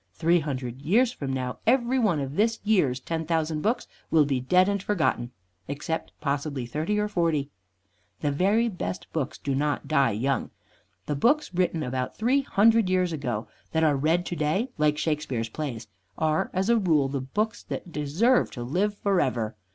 Three hundred years from now every one of this year's ten thousand books will be dead and forgotten, except possibly thirty or forty. The very best books do not die young. The books written about three hundred years ago that are read to day like Shakespeare's plays are as a rule the books that deserve to live forever.